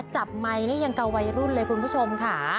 ไมค์นี่ยังกับวัยรุ่นเลยคุณผู้ชมค่ะ